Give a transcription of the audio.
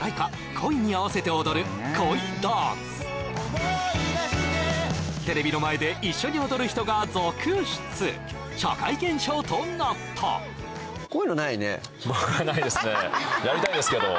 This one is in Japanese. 「恋」に合わせて踊るテレビの前で一緒に踊る人が続出社会現象となった僕はないですね